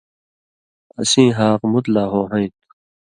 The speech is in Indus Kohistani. اسیں حاق مُت لا ہو ہَیں تُھو